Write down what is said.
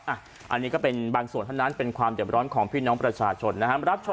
อันนี้ก็เป็นบางส่วนเท่านั้นเป็นความเด็บร้อนของพี่น้องประชาชนนะครับ